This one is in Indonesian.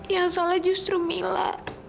yang salah justru mila